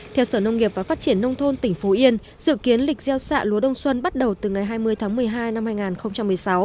theo sở nông nghiệp và phát triển nông thôn tỉnh phú yên dự kiến lịch gieo xạ lúa đông xuân bắt đầu từ ngày hai mươi tháng một mươi hai năm hai nghìn một mươi sáu